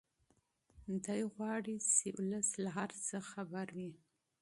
دی غواړي چې ولس له هر څه خبر وي.